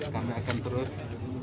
kami akan terus